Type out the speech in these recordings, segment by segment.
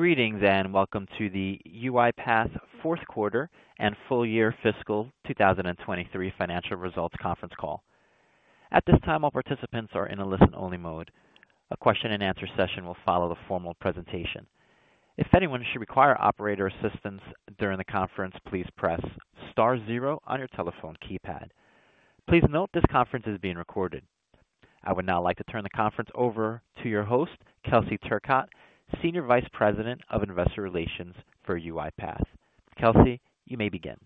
Greetings, welcome to the UiPath fourth quarter and full year fiscal 2023 financial results conference call. At this time, all participants are in a listen-only mode. A question and answer session will follow the formal presentation. If anyone should require operator assistance during the conference, please press star zero on your telephone keypad. Please note this conference is being recorded. I would now like to turn the conference over to your host, Kelsey Turcotte, Senior Vice President of Investor Relations for UiPath. Kelsey, you may begin.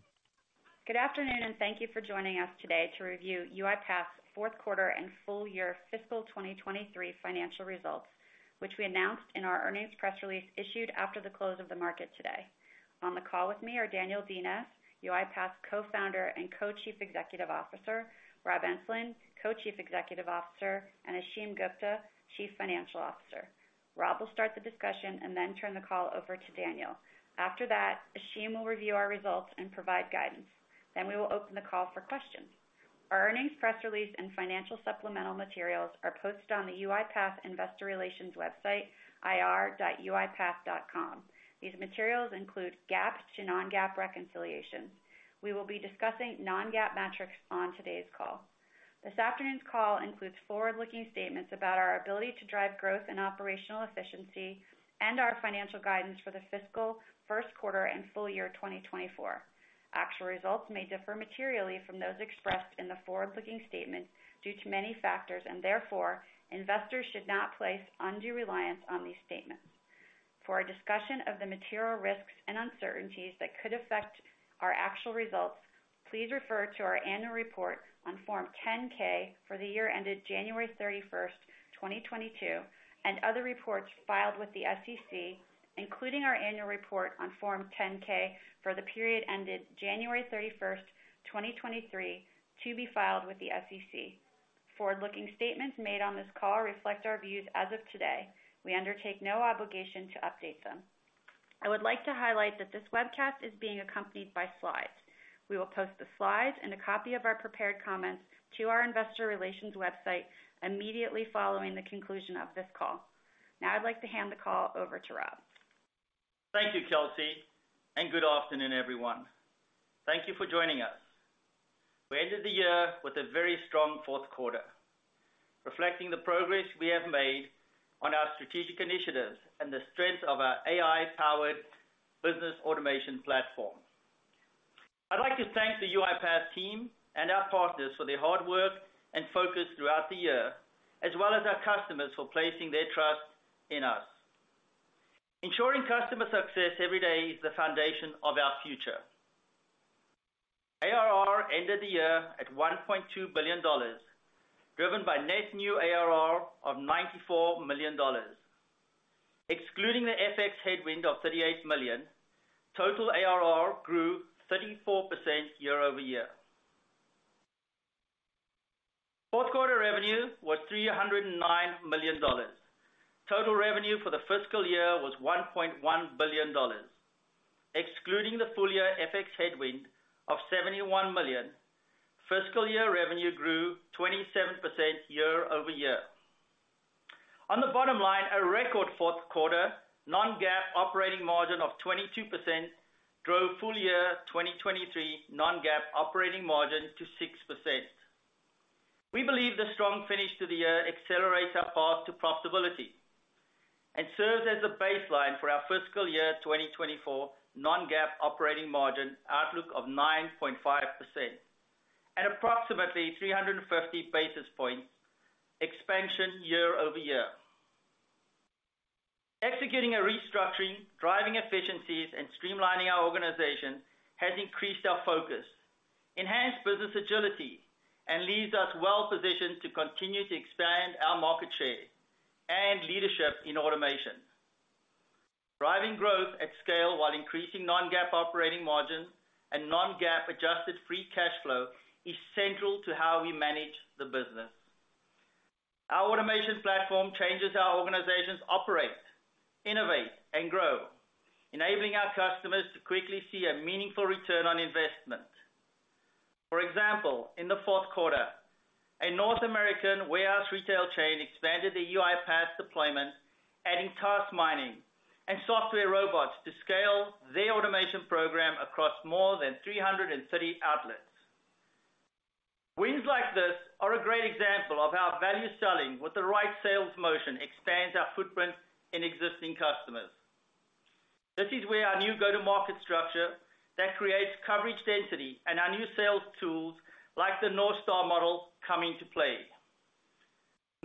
Good afternoon. Thank you for joining us today to review UiPath's fourth quarter and full year fiscal 2023 financial results, which we announced in our earnings press release issued after the close of the market today. On the call with me are Daniel Dines, UiPath's Co-founder and Co-Chief Executive Officer, Rob Enslin, Co-Chief Executive Officer, and Ashim Gupta, Chief Financial Officer. Rob will start the discussion and then turn the call over to Daniel. After that, Ashim will review our results and provide guidance. We will open the call for questions. Our earnings press release and financial supplemental materials are posted on the UiPath Investor Relations website, ir.uipath.com. These materials include GAAP to non-GAAP reconciliations. We will be discussing non-GAAP metrics on today's call. This afternoon's call includes forward-looking statements about our ability to drive growth and operational efficiency, and our financial guidance for the fiscal first quarter and full year 2024. Actual results may differ materially from those expressed in the forward-looking statement due to many factors, and therefore investors should not place undue reliance on these statements. For a discussion of the material risks and uncertainties that could affect our actual results, please refer to our annual report on Form 10-K for the year ended January 31st, 2022, and other reports filed with the SEC, including our annual report on Form 10-K for the period ended January 31st, 2023, to be filed with the SEC. Forward-looking statements made on this call reflect our views as of today. We undertake no obligation to update them. I would like to highlight that this webcast is being accompanied by slides. We will post the slides and a copy of our prepared comments to our investor relations website immediately following the conclusion of this call. I'd like to hand the call over to Rob. Thank you, Kelsey. Good afternoon, everyone. Thank you for joining us. We ended the year with a very strong fourth quarter, reflecting the progress we have made on our strategic initiatives and the strength of our AI-powered business automation platform. I'd like to thank the UiPath team and our partners for their hard work and focus throughout the year, as well as our customers for placing their trust in us. Ensuring customer success every day is the foundation of our future. ARR ended the year at $1.2 billion, driven by net new ARR of $94 million. Excluding the FX headwind of $38 million, total ARR grew 34% year-over-year. Fourth quarter revenue was $309 million. Total revenue for the fiscal year was $1.1 billion. Excluding the full year FX headwind of $71 million, fiscal year revenue grew 27% year-over-year. On the bottom line, a record fourth quarter, non-GAAP operating margin of 22% drove full year 2023 non-GAAP operating margin to 6%. We believe the strong finish to the year accelerates our path to profitability and serves as a baseline for our fiscal year 2024 non-GAAP operating margin outlook of 9.5% at approximately 350 basis points expansion year-over-year. Executing a restructuring, driving efficiencies, and streamlining our organization has increased our focus, enhanced business agility, and leaves us well positioned to continue to expand our market share and leadership in automation. Driving growth at scale while increasing non-GAAP operating margin and non-GAAP adjusted free cash flow is central to how we manage the business. Our automation platform changes how organizations operate, innovate, and grow, enabling our customers to quickly see a meaningful return on investment. For example, in the fourth quarter, a North American warehouse retail chain expanded their UiPath deployment, adding Task Mining and software robots to scale their automation program across more than 330 outlets. Wins like this are a great example of how value selling with the right sales motion expands our footprint in existing customers. This is where our new go-to-market structure that creates coverage density and our new sales tools like the NorthStar model come into play.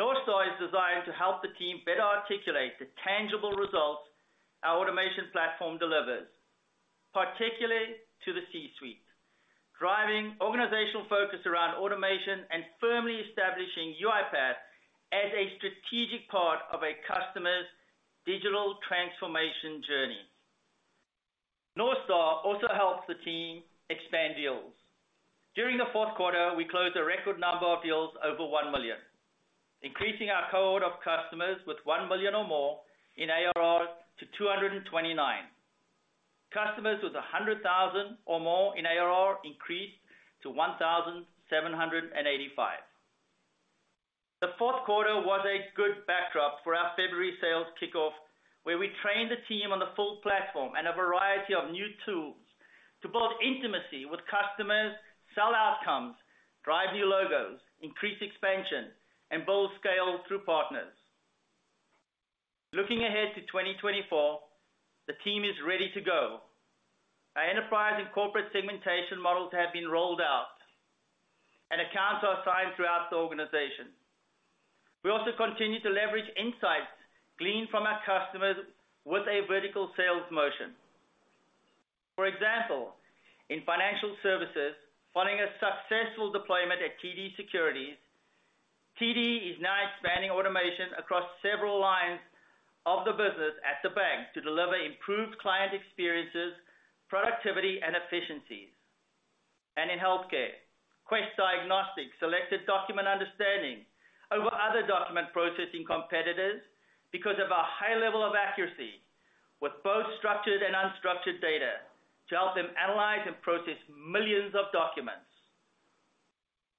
NorthStar is designed to help the team better articulate the tangible results our automation platform delivers, particularly to the C-suite, driving organizational focus around automation and firmly establishing UiPath as a strategic part of a customer's digital transformation journey. NorthStar also helps the team expand deals. During the fourth quarter, we closed a record number of deals over $1 million, increasing our cohort of customers with $1 million or more in ARR to 229. Customers with $100,000 or more in ARR increased to 1,785. The fourth quarter was a good backdrop for our February sales kickoff, where we trained the team on the full platform and a variety of new tools to build intimacy with customers, sell outcomes, drive new logos, increase expansion, and build scale through partners. Looking ahead to 2024, the team is ready to go. Our enterprise and corporate segmentation models have been rolled out, and accounts are assigned throughout the organization. We also continue to leverage insights gleaned from our customers with a vertical sales motion. For example, in financial services, following a successful deployment at TD Securities, TD is now expanding automation across several lines of the business at the bank to deliver improved client experiences, productivity, and efficiencies. In healthcare, Quest Diagnostics selected Document Understanding over other document processing competitors because of our high level of accuracy with both structured and unstructured data to help them analyze and process millions of documents.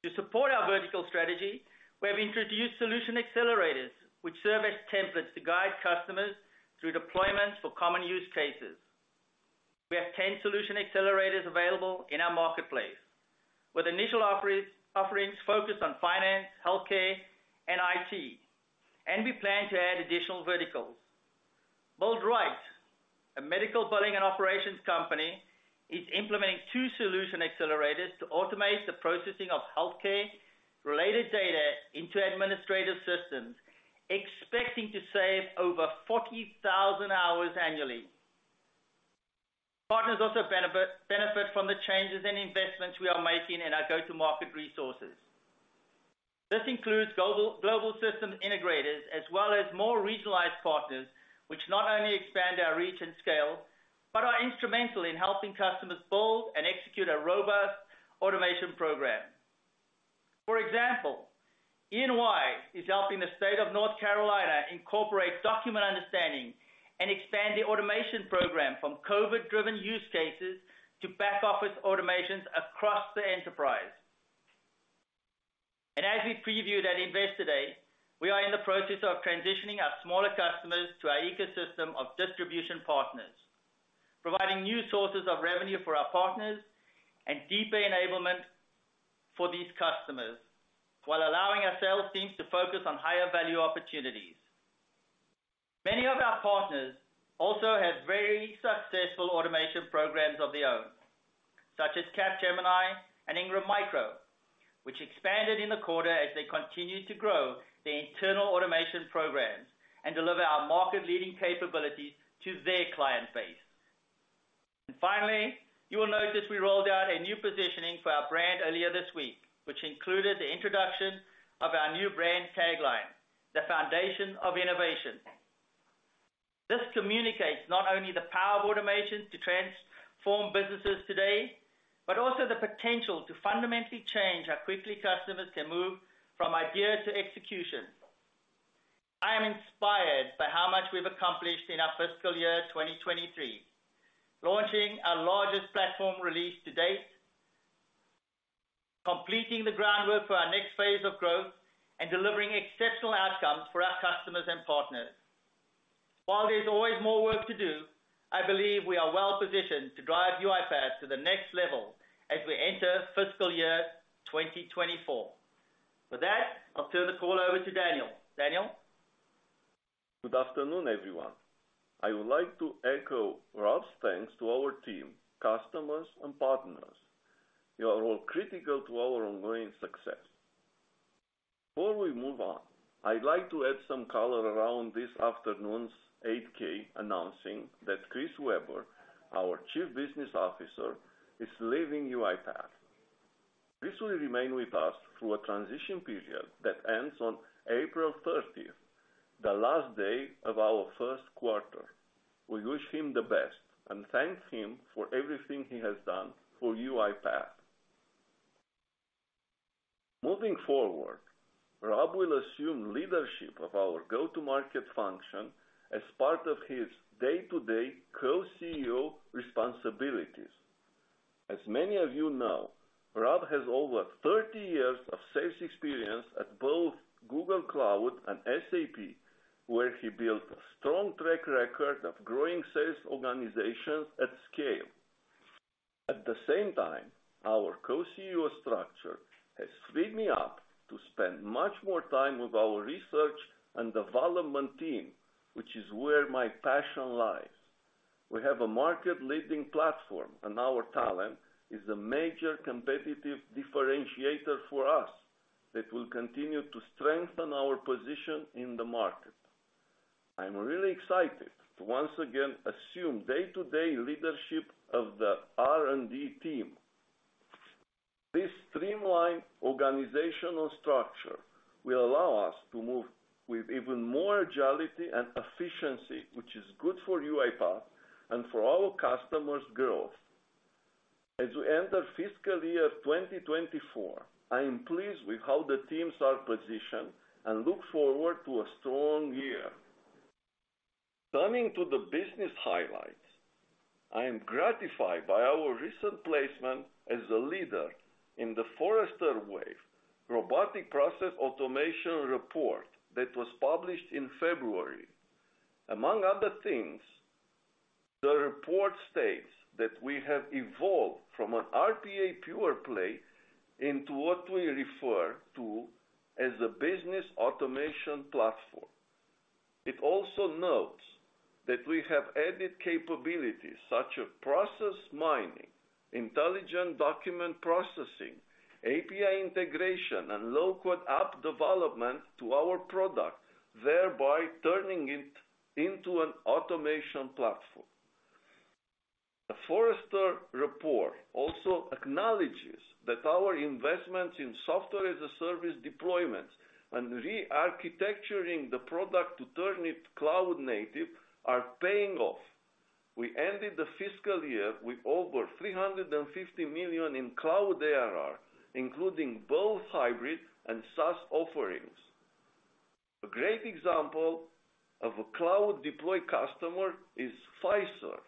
To support our vertical strategy, we have introduced Solution Accelerators, which serve as templates to guide customers through deployments for common use cases. We have 10 Solution Accelerators available in our marketplace, with initial offerings focused on finance, healthcare, and IT, and we plan to add additional verticals. Bright, a medical billing and operations company, is implementing two Solution Accelerators to automate the processing of healthcare-related data into administrative systems, expecting to save over 40,000 hours annually. Partners also benefit from the changes and investments we are making in our go-to-market resources. This includes global system integrators as well as more regionalized partners, which not only expand our reach and scale, but are instrumental in helping customers build and execute a robust automation program. For example, EY is helping the state of North Carolina incorporate Document Understanding and expand the automation program from COVID-driven use cases to back office automations across the enterprise. As we previewed at Investor Day, we are in the process of transitioning our smaller customers to our ecosystem of distribution partners, providing new sources of revenue for our partners and deeper enablement for these customers, while allowing our sales teams to focus on higher value opportunities. Many of our partners also have very successful automation programs of their own, such as Capgemini and Ingram Micro, which expanded in the quarter as they continued to grow their internal automation programs and deliver our market-leading capabilities to their client base. Finally, you will notice we rolled out a new positioning for our brand earlier this week, which included the introduction of our new brand tagline, "The foundation of innovation." This communicates not only the power of automation to transform businesses today, but also the potential to fundamentally change how quickly customers can move from idea to execution. I am inspired by how much we've accomplished in our fiscal year 2023, launching our largest platform release to date, completing the groundwork for our next phase of growth, and delivering exceptional outcomes for our customers and partners. While there's always more work to do, I believe we are well-positioned to drive UiPath to the next level as we enter fiscal year 2024. With that, I'll turn the call over to Daniel. Daniel? Good afternoon, everyone. I would like to echo Rob's thanks to our team, customers, and partners. You are all critical to our ongoing success. Before we move on, I'd like to add some color around this afternoon's 8-K announcing that Chris Weber, our Chief Business Officer, is leaving UiPath. Chris will remain with us through a transition period that ends on April 30th, the last day of our first quarter. We wish him the best and thank him for everything he has done for UiPath. Moving forward, Rob will assume leadership of our go-to-market function as part of his day-to-day co-CEO responsibilities. As many of you know, Rob has over 30 years of sales experience at both Google Cloud and SAP, where he built a strong track record of growing sales organizations at scale. At the same time, our co-CEO structure has freed me up to spend much more time with our research and development team, which is where my passion lies. We have a market-leading platform, and our talent is a major competitive differentiator for us that will continue to strengthen our position in the market. I'm really excited to once again assume day-to-day leadership of the R&D team. This streamlined organizational structure will allow us to move with even more agility and efficiency, which is good for UiPath and for our customers' growth. As we enter fiscal year 2024, I am pleased with how the teams are positioned and look forward to a strong year. Turning to the business highlights, I am gratified by our recent placement as a leader in the Forrester Wave Robotic Process Automation report that was published in February. Among other things, the report states that we have evolved from an RPA pure play into what we refer to as the business automation platform. It also notes that we have added capabilities such as process mining, intelligent document processing, API integration, and low-code app development to our product, thereby turning it into an automation platform. The Forrester report also acknowledges that our investments in software-as-a-service deployments and re-architecturing the product to turn it cloud native are paying off. We ended the fiscal year with over $350 million in cloud ARR, including both hybrid and SaaS offerings. A great example of a cloud deploy customer is Fiserv,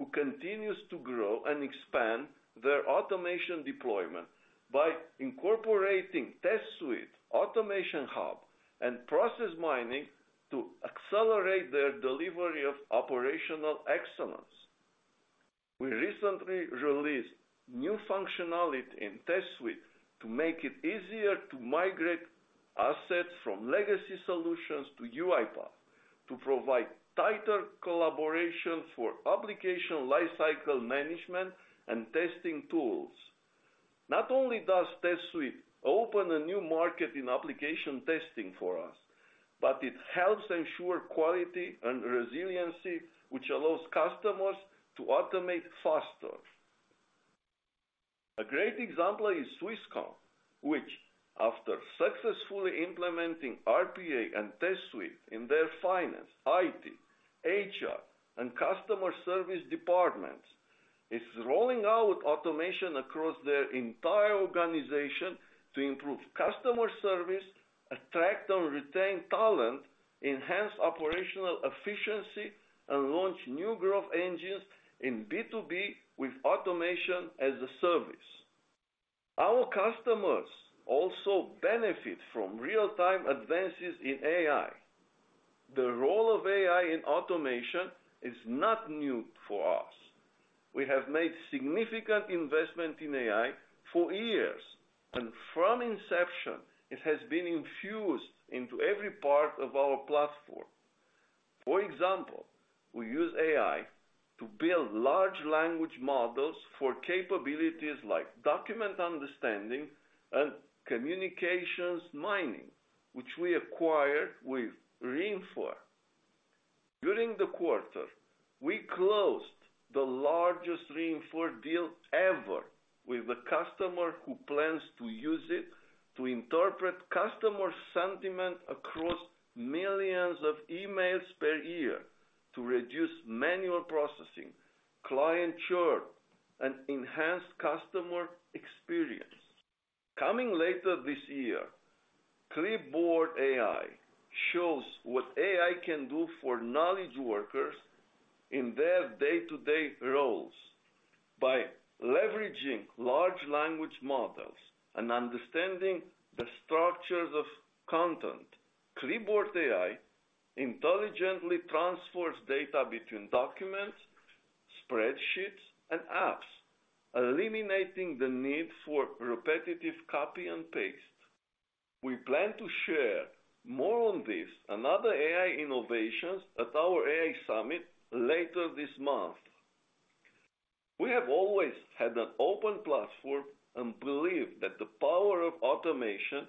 who continues to grow and expand their automation deployment by incorporating Test Suite, Automation Hub, and Process Mining to accelerate their delivery of operational excellent. We recently released new functionality in Test Suite to make it easier to migrate assets from legacy solutions to UiPath to provide tighter collaboration for application lifecycle management and testing tools. Not only does Test Suite open a new market in application testing for us, but it helps ensure quality and resiliency, which allows customers to automate faster. A great example is Swisscom, which after successfully implementing RPA and Test Suite in their finance, IT, HR, and customer service departments, is rolling out automation across their entire organization to improve customer service, attract and retain talent, enhance operational efficiency, and launch new growth engines in B2B with automation as a service. Our customers also benefit from real-time advances in AI. The role of AI in automation is not new for us. We have made significant investment in AI for years. From inception, it has been infused into every part of our platform. For example, we use AI to build large language models for capabilities like Document Understanding and Communications Mining, which we acquired with Re:infer. During the quarter, we closed the largest Re:infer deal ever with a customer who plans to use it to interpret customer sentiment across millions of emails per year to reduce manual processing, client churn, and enhance customer experience. Coming later this year, Clipboard AI shows what AI can do for knowledge workers in their day-to-day roles. By leveraging large language models and understanding the structures of content, Clipboard AI intelligently transfers data between documents, spreadsheets, and apps, eliminating the need for repetitive copy and paste. We plan to share more on this and other AI innovations at our AI summit later this month. We have always had an open platform and believe that the power of automation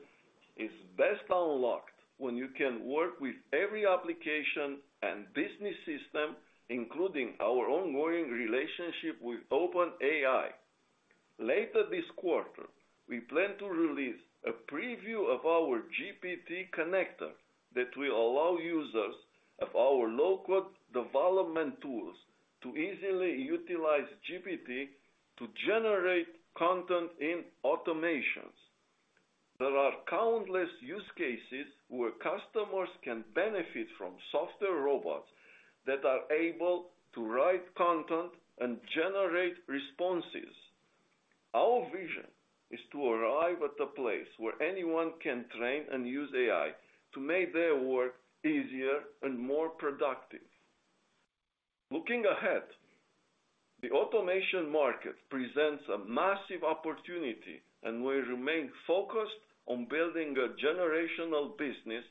is best unlocked when you can work with every application and business system, including our ongoing relationship with OpenAI. Later this quarter, we plan to release a preview of our GPT connector that will allow users of our low-code development tools to easily utilize GPT to generate content in automations. There are countless use cases where customers can benefit from software robots that are able to write content and generate responses. Our vision is to arrive at a place where anyone can train and use AI to make their work easier and more productive. Looking ahead, the automation market presents a massive opportunity, and we remain focused on building a generational business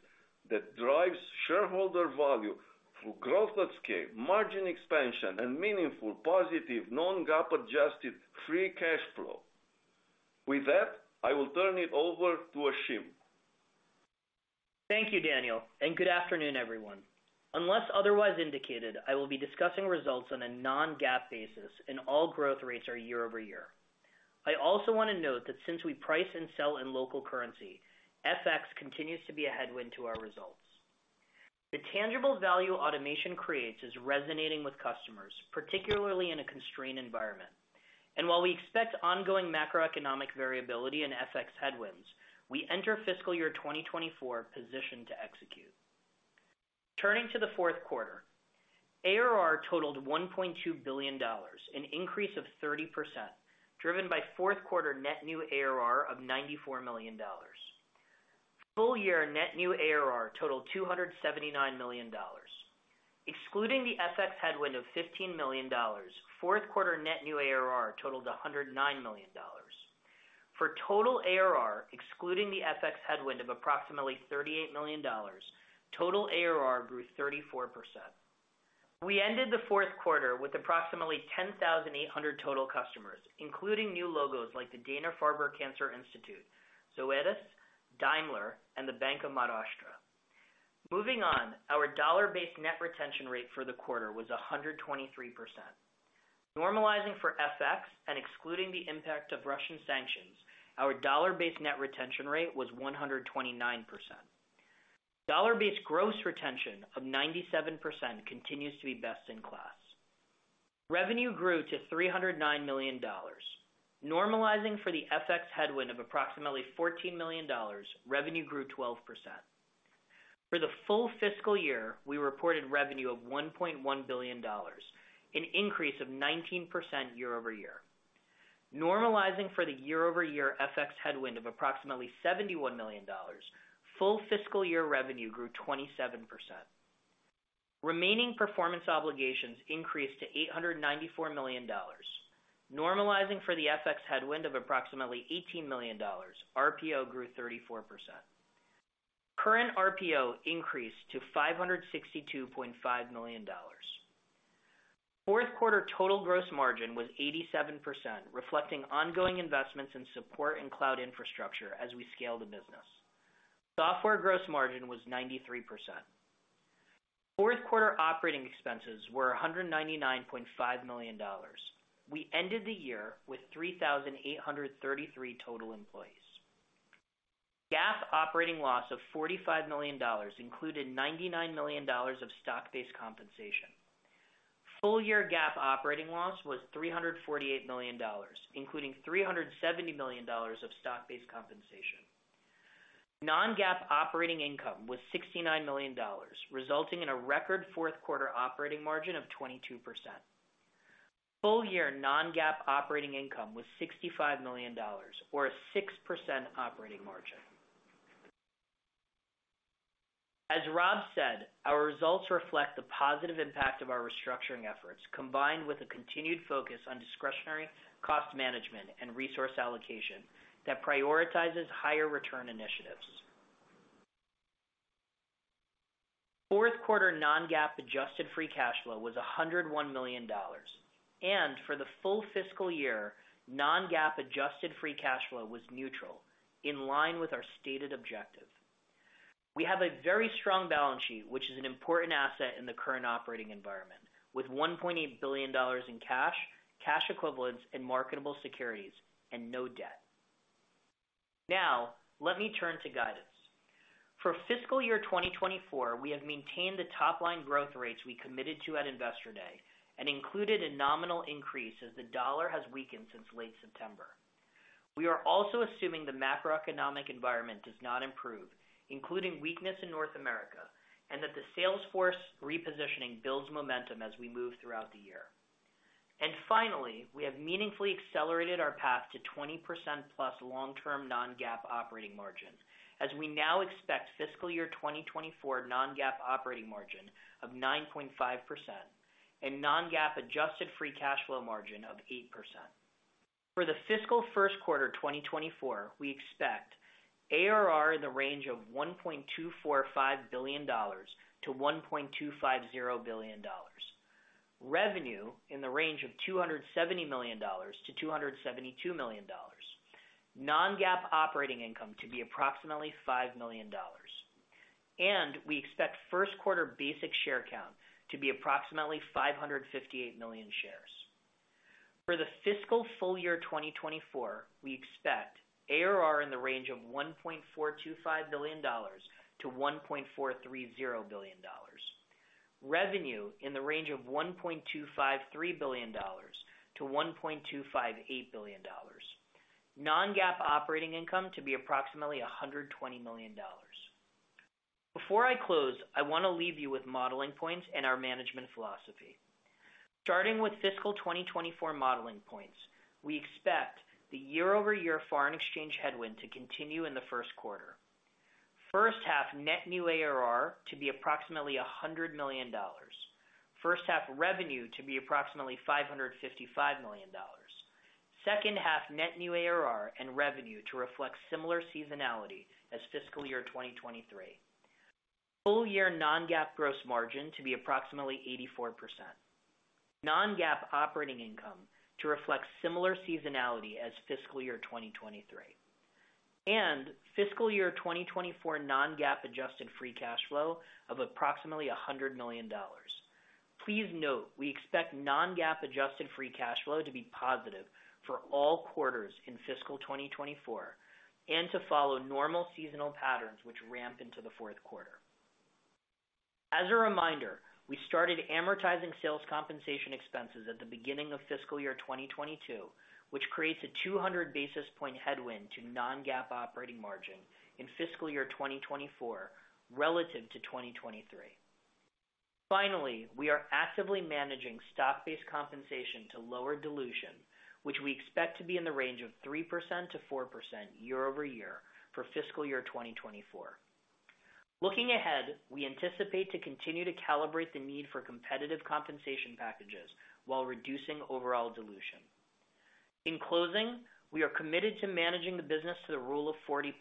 that drives shareholder value through growth at scale, margin expansion, and meaningful, positive, non-GAAP adjusted free cash flow. With that, I will turn it over to Ashim. Thank you, Daniel, good afternoon, everyone. Unless otherwise indicated, I will be discussing results on a non-GAAP basis, and all growth rates are year-over-year. I also want to note that since we price and sell in local currency, FX continues to be a headwind to our results. The tangible value automation creates is resonating with customers, particularly in a constrained environment. While we expect ongoing macroeconomic variability and FX headwinds, we enter fiscal year 2024 positioned to execute. Turning to the fourth quarter, ARR totaled $1.2 billion, an increase of 30%, driven by fourth quarter net new ARR of $94 million. Full year net new ARR totaled $279 million. Excluding the FX headwind of $15 million, fourth quarter net new ARR totaled $109 million. For total ARR, excluding the FX headwind of approximately $38 million, total ARR grew 34%. We ended the fourth quarter with approximately 10,800 total customers, including new logos like the Dana-Farber Cancer Institute, Zoetis, Daimler, and the Bank of Maharashtra. Moving on, our dollar-based net retention rate for the quarter was 123%. Normalizing for FX and excluding the impact of Russian sanctions, our dollar-based net retention rate was 129%. Dollar-based gross retention of 97% continues to be best in class. Revenue grew to $309 million. Normalizing for the FX headwind of approximately $14 million, revenue grew 12%. For the full fiscal year, we reported revenue of $1.1 billion, an increase of 19% year-over-year Normalizing for the year-over-year FX headwind of approximately $71 million, full fiscal year revenue grew 27%. Remaining performance obligations increased to $894 million. Normalizing for the FX headwind of approximately $18 million, RPO grew 34%. Current RPO increased to $562.5 million. Fourth quarter total gross margin was 87%, reflecting ongoing investments in support and cloud infrastructure as we scale the business. Software gross margin was 93%. Fourth quarter operating expenses were $199.5 million. We ended the year with 3,833 total employees. GAAP operating loss of $45 million included $99 million of stock-based compensation. Full year GAAP operating loss was $348 million, including $370 million of stock-based compensation. Non-GAAP operating income was $69 million, resulting in a record fourth quarter operating margin of 22%. Full year non-GAAP operating income was $65 million or a 6% operating margin. As Rob said, our results reflect the positive impact of our restructuring efforts, combined with a continued focus on discretionary cost management and resource allocation that prioritizes higher return initiatives. Fourth quarter non-GAAP adjusted free cash flow was $101 million. For the full fiscal year, non-GAAP adjusted free cash flow was neutral, in line with our stated objective. We have a very strong balance sheet, which is an important asset in the current operating environment, with $1.8 billion in cash equivalents in marketable securities and no debt. Now, let me turn to guidance. For fiscal year 2024, we have maintained the top-line growth rates we committed to at Investor Day and included a nominal increase as the dollar has weakened since late September. We are also assuming the macroeconomic environment does not improve, including weakness in North America, and that the sales force repositioning builds momentum as we move throughout the year. Finally, we have meaningfully accelerated our path to 20%+ long-term non-GAAP operating margin, as we now expect fiscal year 2024 non-GAAP operating margin of 9.5% and non-GAAP adjusted free cash flow margin of 8%. For the fiscal first quarter 2024, we expect ARR in the range of $1.245 billion-$1.250 billion, revenue in the range of $270 million-$272 million, non-GAAP operating income to be approximately $5 million, we expect first quarter basic share count to be approximately 558 million shares. For the fiscal full year 2024, we expect ARR in the range of $1.425 billion-$1.430 billion, revenue in the range of $1.253 billion-$1.258 billion, non-GAAP operating income to be approximately $120 million. Before I close, I wanna leave you with modeling points and our management philosophy. Starting with fiscal 2024 modeling points, we expect the year-over-year foreign exchange headwind to continue in the first quarter. First half net new ARR to be approximately $100 million. First half revenue to be approximately $555 million. Second half net new ARR and revenue to reflect similar seasonality as fiscal year 2023. Full year non-GAAP gross margin to be approximately 84%. Non-GAAP operating income to reflect similar seasonality as fiscal year 2023. Fiscal year 2024 non-GAAP adjusted free cash flow of approximately $100 million. Please note we expect non-GAAP adjusted free cash flow to be positive for all quarters in fiscal 2024 and to follow normal seasonal patterns which ramp into the fourth quarter. As a reminder, we started amortizing sales compensation expenses at the beginning of fiscal year 2022, which creates a 200 basis point headwind to non-GAAP operating margin in fiscal year 2024 relative to 2023. We are actively managing stock-based compensation to lower dilution, which we expect to be in the range of 3%-4% year-over-year for fiscal year 2024. Looking ahead, we anticipate to continue to calibrate the need for competitive compensation packages while reducing overall dilution. We are committed to managing the business to the Rule of 40+,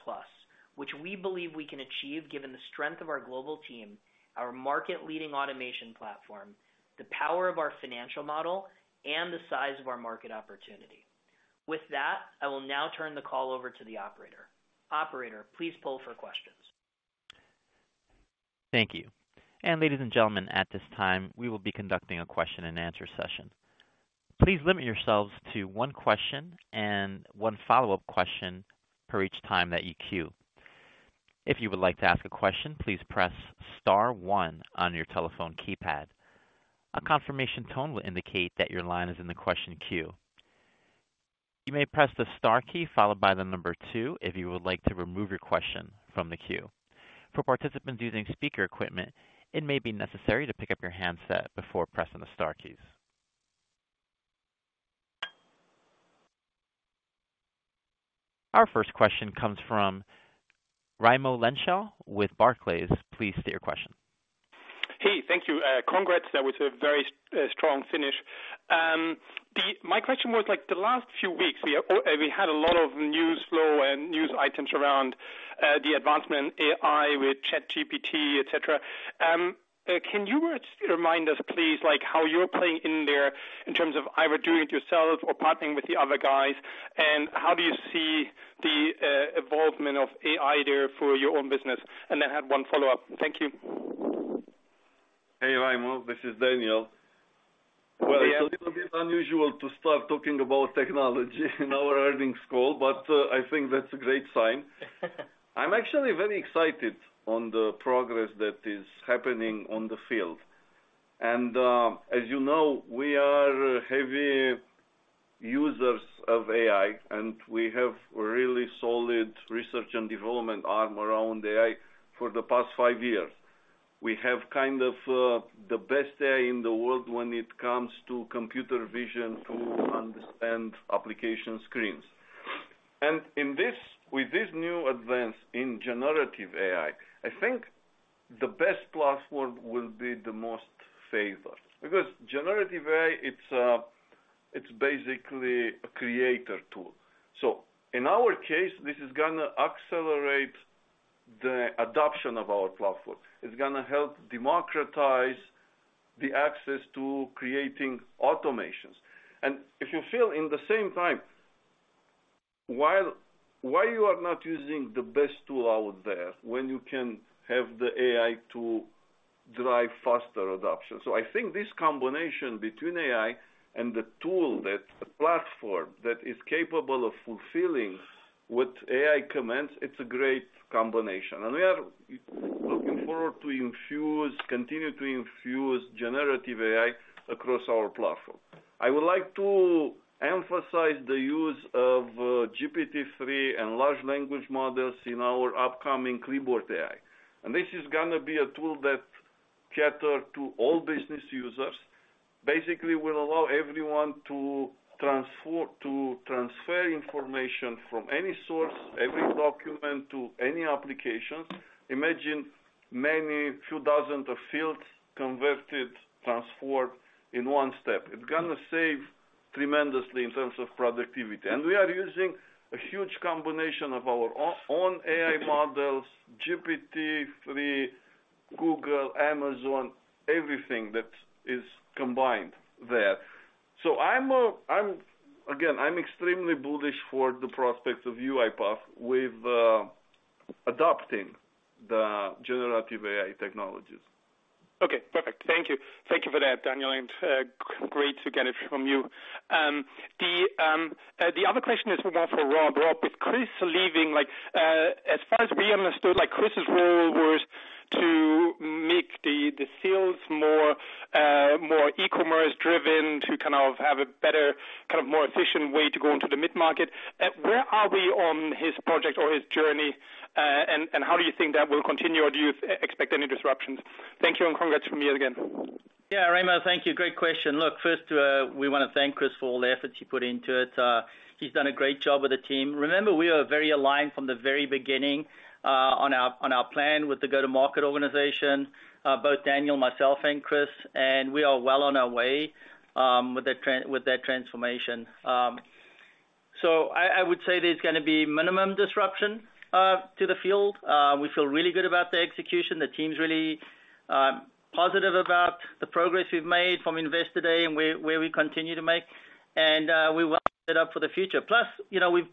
which we believe we can achieve given the strength of our global team, our market-leading automation platform, the power of our financial model, and the size of our market opportunity. I will now turn the call over to the operator. Operator, please poll for questions. Thank you. Ladies and gentlemen, at this time, we will be conducting a question-and-answer session. Please limit yourselves to one question and one follow-up question per each time that you queue. If you would like to ask a question, please press star one on your telephone keypad. A confirmation tone will indicate that your line is in the question queue. You may press the star key followed by the number two if you would like to remove your question from the queue. For participants using speaker equipment, it may be necessary to pick up your handset before pressing the star keys. Our first question comes from Raimo Lenschow with Barclays. Please state your question. Hey, thank you. Congrats. That was a very strong finish. My question was like the last few weeks, we had a lot of news flow and news items around the advancement AI with ChatGPT, et cetera. Can you remind us please, like how you're playing in there in terms of either doing it yourself or partnering with the other guys? How do you see the involvement of AI there for your own business? I have one follow-up. Thank you. Hey, Raimo, this is Daniel. Yes. Well, it's a little bit unusual to start talking about technology in our earnings call, but I think that's a great sign. I'm actually very excited on the progress that is happening on the field. As you know, we are heavy users of AI, and we have really solid research and development arm around AI for the past five years. We have kind of the best AI in the world when it comes to computer vision to understand application screens. With this new advance in generative AI, I think the best platform will be the most favored. Generative AI, it's basically a creator tool. In our case, this is gonna accelerate the adoption of our platform. It's gonna help democratize the access to creating automations. If you feel in the same time, why you are not using the best tool out there when you can have the AI tool drive faster adoption? I think this combination between AI and the platform that is capable of fulfilling what AI commands, it's a great combination. We are looking forward to continue to infuse generative AI across our platform. I would like to emphasize the use of GPT-3 and large language models in our upcoming Clipboard AI. This is gonna be a tool that cater to all business users. Basically will allow everyone to transfer information from any source, every document, to any applications. Imagine many few dozens of fields converted, transformed in one step. It's gonna save tremendously in terms of productivity. We are using a huge combination of our own AI models, GPT-3, Google, Amazon, everything that is combined there. I'm again, I'm extremely bullish for the prospects of UiPath with adopting the generative AI technologies. Okay, perfect. Thank you. Thank you for that, Daniel, and great to get it from you. The other question is more for Rob. Rob, with Chris leaving, like, as far as we understood, like Chris's role was to make the sales more e-commerce driven, to kind of have a better, kind of more efficient way to go into the mid-market. Where are we on his project or his journey? How do you think that will continue, or do you expect any disruptions? Thank you, and congrats from me again. Yeah, Raimo, thank you. Great question. Look, first, we wanna thank Chris for all the efforts he put into it. He's done a great job with the team. Remember, we are very aligned from the very beginning, on our, on our plan with the go-to-market organization, both Daniel, myself, and Chris, and we are well on our way with that transformation. I would say there's gonna be minimum disruption to the field. We feel really good about the execution. The team's really positive about the progress we've made from Investor Day and where we continue to make. We well set up for the future. Plus, you know, we've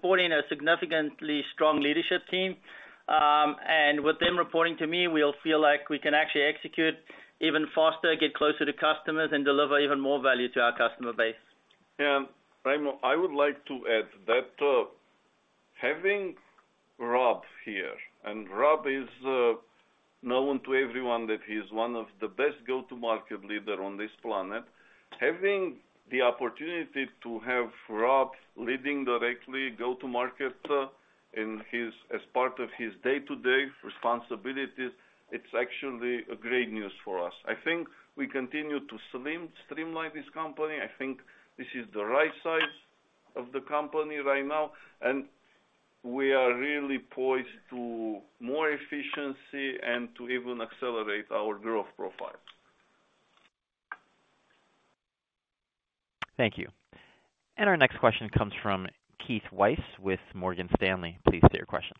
brought in a significantly strong leadership team. With them reporting to me, we'll feel like we can actually execute even faster, get closer to customers, and deliver even more value to our customer base. Raimo, I would like to add that, having Rob here, and Rob is known to everyone that he is one of the best go-to-market leader on this planet. Having the opportunity to have Rob leading directly go to market as part of his day-to-day responsibilities, it's actually a great news for us. I think we continue to slim-streamline this company. I think this is the right size of the company right now, and we are really poised to more efficiency and to even accelerate our growth profile. Thank you. Our next question comes from Keith Weiss with Morgan Stanley. Please state your question.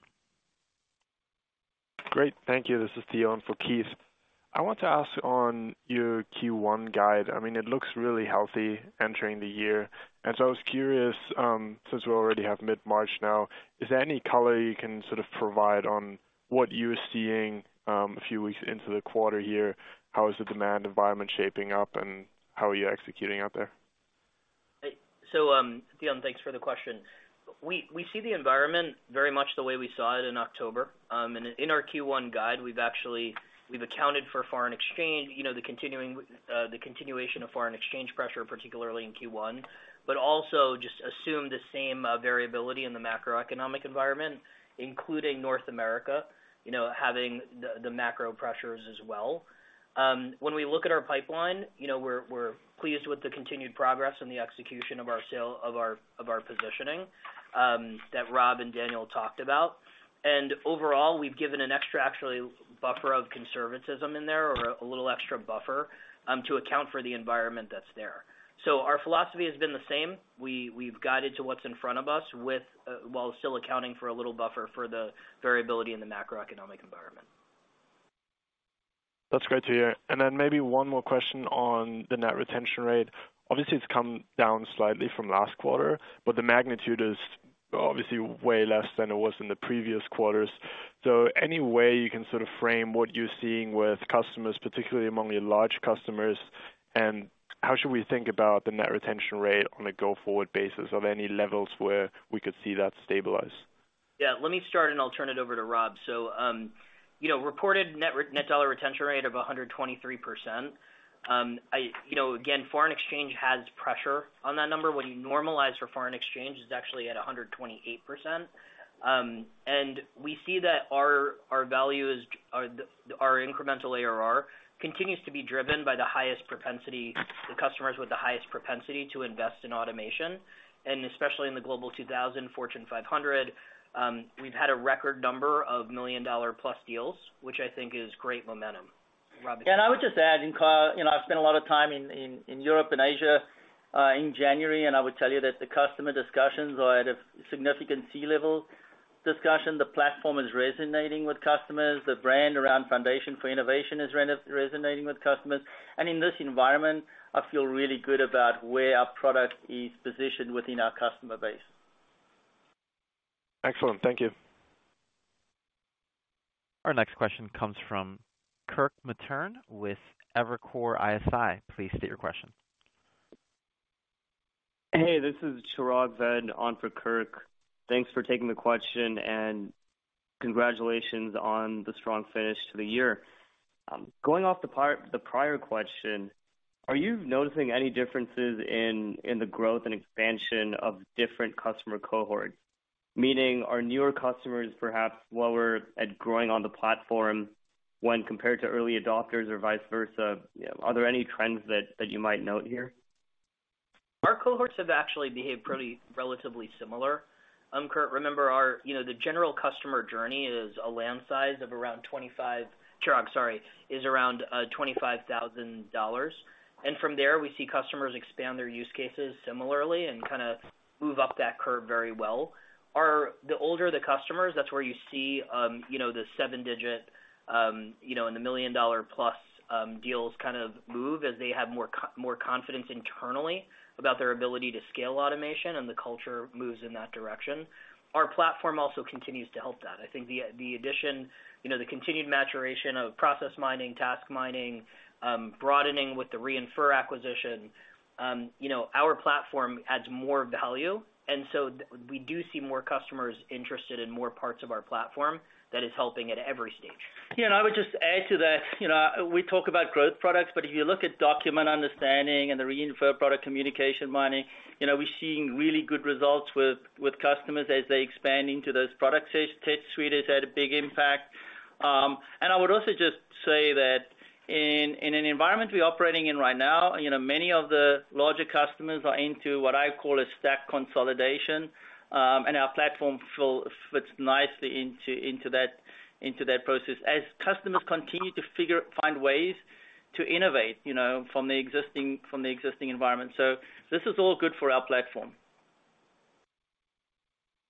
Great. Thank you. This is Dion for Keith. I want to ask on your Q1 guide. I mean, it looks really healthy entering the year. I was curious, since we already have mid-March now, is there any color you can sort of provide on what you're seeing a few weeks into the quarter here? How is the demand environment shaping up, and how are you executing out there? Dion, thanks for the question. We see the environment very much the way we saw it in October. In our Q1 guide, we've actually accounted for foreign exchange, you know, the continuation of foreign exchange pressure, particularly in Q1. Also just assume the same variability in the macroeconomic environment, including North America, you know, having the macro pressures as well. When we look at our pipeline, you know, we're pleased with the continued progress and the execution of our positioning that Rob and Daniel talked about. Overall, we've given an extra actually buffer of conservatism in there or a little extra buffer to account for the environment that's there. Our philosophy has been the same. We've guided to what's in front of us with, while still accounting for a little buffer for the variability in the macroeconomic environment. That's great to hear. Maybe one more question on the net retention rate. Obviously, it's come down slightly from last quarter, the magnitude is obviously way less than it was in the previous quarters. Any way you can sort of frame what you're seeing with customers, particularly among your large customers, and how should we think about the net retention rate on a go-forward basis of any levels where we could see that stabilize? Yeah. Let me start, and I'll turn it over to Rob. You know, reported net dollar retention rate of 123%. You know, again, foreign exchange has pressure on that number. When you normalize for foreign exchange, it's actually at 128%. We see that our value is our incremental ARR continues to be driven by the customers with the highest propensity to invest in automation, and especially in the Global 2000 Fortune 500. We've had a record number of million-dollar-plus deals, which I think is great momentum. Rob. I would just add, Kyle, you know, I've spent a lot of time in Europe and Asia in January, and I would tell you that the customer discussions are at a significant C-level discussion. The platform is resonating with customers. The brand around foundation for innovation is resonating with customers. In this environment, I feel really good about where our product is positioned within our customer base. Excellent. Thank you. Our next question comes from Kirk Materne with Evercore ISI. Please state your question. Hey, this is Chirag Ved on for Kirk. Thanks for taking the question, and congratulations on the strong finish to the year. Going off the prior question, are you noticing any differences in the growth and expansion of different customer cohorts? Meaning, are newer customers perhaps lower at growing on the platform when compared to early adopters or vice versa? Are there any trends that you might note here? Our cohorts have actually behaved pretty relatively similar. Kirk, remember our, you know, the general customer journey is a land size of around Chirag, sorry, is around $25,000. From there, we see customers expand their use cases similarly and kinda move up that curve very well. The older the customers, that's where you see, you know, the seven-digit, you know, and the million-dollar-plus deals kind of move as they have more confidence internally about their ability to scale automation and the culture moves in that direction. Our platform also continues to help that. I think the addition, you know, the continued maturation of Process Mining, Task Mining, broadening with the Re:infer acquisition, you know, our platform adds more value, and so we do see more customers interested in more parts of our platform that is helping at every stage. I would just add to that, you know, we talk about growth products, but if you look at Document Understanding and the Re:infer product Communications Mining, you know, we're seeing really good results with customers as they expand into those products. Test Suite has had a big impact. I would also just say that in an environment we're operating in right now, you know, many of the larger customers are into what I call a stack consolidation, and our platform fits nicely into that process as customers continue to find ways to innovate, you know, from the existing environment. This is all good for our platform.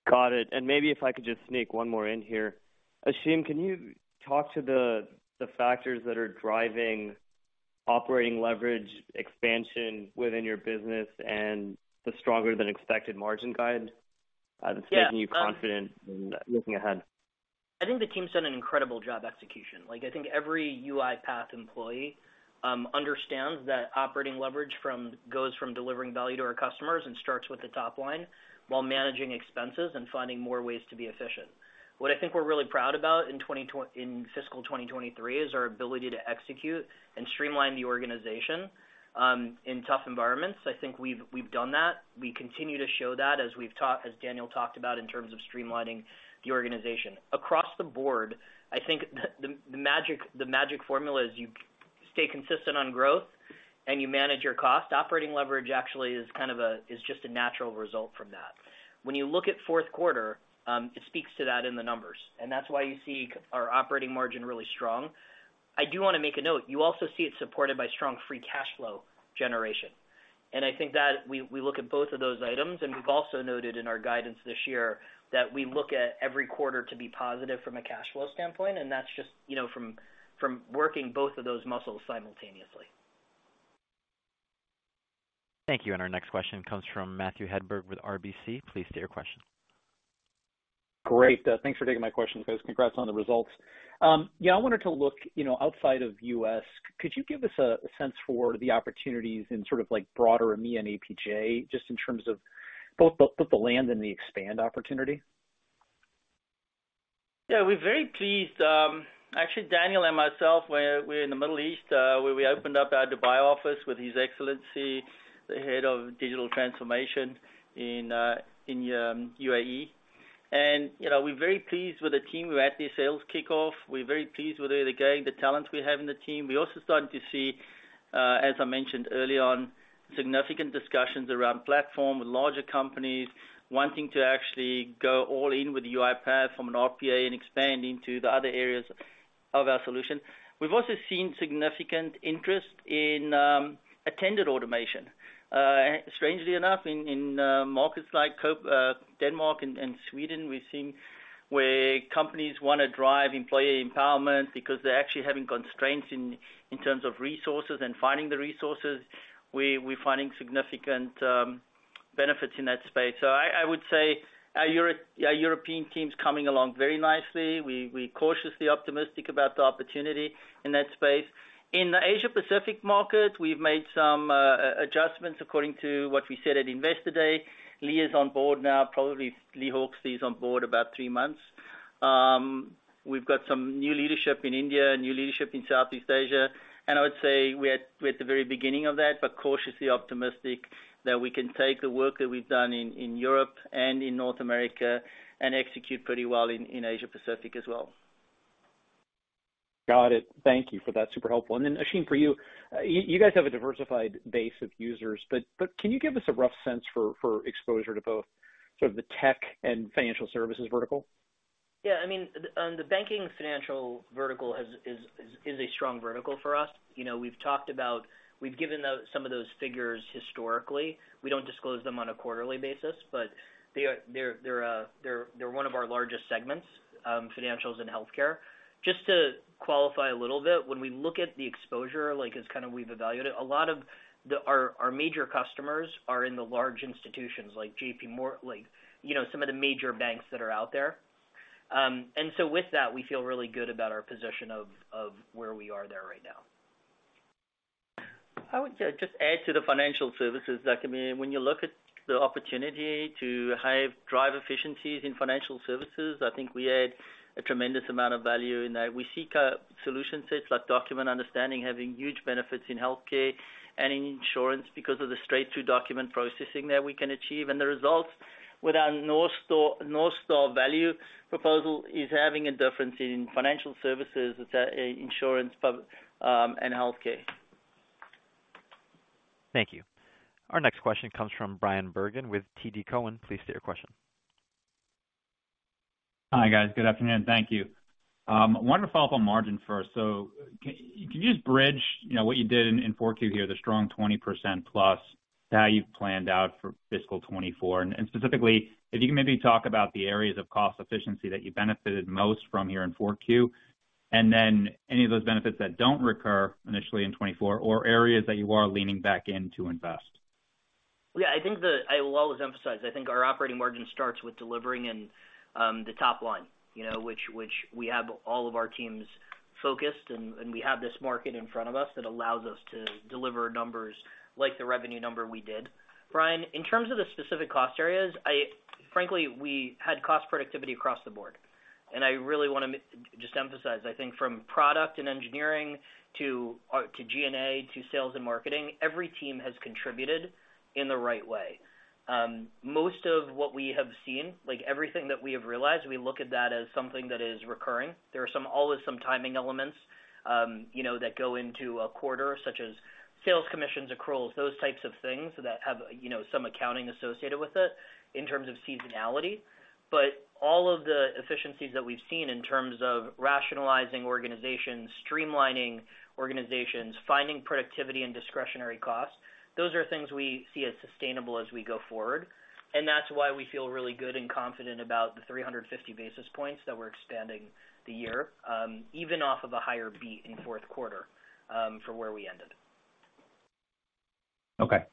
Got it. Maybe if I could just sneak one more in here. Ashim, can you talk to the factors that are driving operating leverage expansion within your business and the stronger than expected margin guide that's making you confident in looking ahead? I think the team's done an incredible job execution. Like, I think every UiPath employee understands that operating leverage goes from delivering value to our customers and starts with the top line while managing expenses and finding more ways to be efficient. What I think we're really proud about in fiscal 2023 is our ability to execute and streamline the organization in tough environments. I think we've done that. We continue to show that as Daniel talked about in terms of streamlining the organization. Across the board, I think the magic formula is you stay consistent on growth and you manage your cost. Operating leverage actually is just a natural result from that. When you look at fourth quarter, it speaks to that in the numbers, and that's why you see our operating margin really strong. I do wanna make a note. You also see it supported by strong free cash flow generation. I think that we look at both of those items, and we've also noted in our guidance this year that we look at every quarter to be positive from a cash flow standpoint, and that's just, you know, from working both of those muscles simultaneously. Thank you. Our next question comes from Matthew Hedberg with RBC. Please state your question. Great. thanks for taking my question. Guys, congrats on the results. I wanted to look, you know, outside of U.S. Could you give us a sense for the opportunities in sort of like broader EMEA and APJ, just in terms of both the land and the expand opportunity? Yeah, we're very pleased. Actually, Daniel and myself, we're in the Middle East, where we opened up our Dubai office with His Excellency, the Head of Digital Transformation in UAE. And, you know, we're very pleased with the team. We're at the sales kickoff. We're very pleased with the gang, the talent we have in the team. We're also starting to see, as I mentioned early on, significant discussions around platform with larger companies wanting to actually go all in with UiPath from an RPA and expand into the other areas of our solution. We've also seen significant interest in attended automation. Strangely enough, in markets like Copenhagen, Denmark and Sweden, we're seeing where companies want to drive employee empowerment because they're actually having constraints in terms of resources and finding the resources. We're finding significant benefits in that space. I would say our European team's coming along very nicely. We cautiously optimistic about the opportunity in that space. In the Asia Pacific market, we've made some adjustments according to what we said at Investor Day. Lee is on board now, probably Lee Hawksley is on board about three months. We've got some new leadership in India, new leadership in Southeast Asia, and I would say we're at the very beginning of that, but cautiously optimistic that we can take the work that we've done in Europe and in North America and execute pretty well in Asia Pacific as well. Got it. Thank you for that. Super helpful. Then Ashim, for you guys have a diversified base of users, but can you give us a rough sense for exposure to both sort of the tech and financial services vertical? Yeah. I mean, the banking financial vertical is a strong vertical for us. You know, we've given some of those figures historically. We don't disclose them on a quarterly basis, they're one of our largest segments, financials and healthcare. Just to qualify a little bit, when we look at the exposure, like, as kind of we've evaluated, a lot of our major customers are in the large institutions like JPMorgan, like, you know, some of the major banks that are out there. With that, we feel really good about our position of where we are there right now. I would just add to the financial services that, I mean, when you look at the opportunity to have drive efficiencies in financial services, I think we add a tremendous amount of value in that. We seek solution sets like Document Understanding, having huge benefits in healthcare and in insurance because of the straight-through document processing that we can achieve. The results with our NorthStar value proposal is having a difference in financial services, insurance and healthcare. Thank you. Our next question comes from Bryan Bergin with TD Cowen. Please state your question. Hi, guys. Good afternoon. Thank you. Wanted to follow up on margin first. Can you just bridge, you know, what you did in Q4 here, the strong 20%+, how you've planned out for fiscal 2024? Specifically, if you can maybe talk about the areas of cost efficiency that you benefited most from here in Q4, and then any of those benefits that don't recur initially in 2024 or areas that you are leaning back in to invest. Yeah. I will always emphasize, I think our operating margin starts with delivering in the top line, you know, which we have all of our teams focused, and we have this market in front of us that allows us to deliver numbers like the revenue number we did. Bryan, in terms of the specific cost areas, frankly, we had cost productivity across the board. I really wanna just emphasize, I think from product and engineering to G&A, to sales and marketing, every team has contributed in the right way. Most of what we have seen, like everything that we have realized, we look at that as something that is recurring. There are always some timing elements, you know, that go into a quarter, such as sales commissions, accruals, those types of things that have, you know, some accounting associated with it in terms of seasonality. All of the efficiencies that we've seen in terms of rationalizing organizations, streamlining organizations, finding productivity and discretionary costs, those are things we see as sustainable as we go forward. That's why we feel really good and confident about the 350 basis points that we're expanding the year, even off of a higher beat in fourth quarter, from where we ended. Okay.